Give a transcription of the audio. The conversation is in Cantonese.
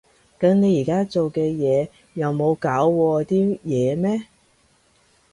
噉你而家做嘅嘢又冇搞禍啲嘢咩？